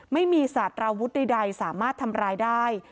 ไม่มีสารวุฒิใดสามารถทำร้ายได้